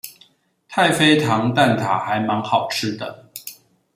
太妃糖蛋塔還滿好吃的